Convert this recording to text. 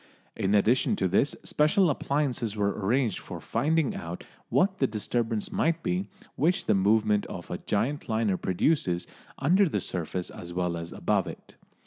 In addition to this, special appliances were arranged for finding out what the disturbance might be which the movement of a giant liner produces under the surface as well as above it.